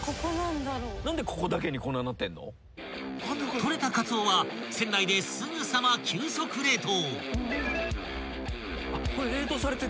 ［取れたかつおは船内ですぐさま急速冷凍］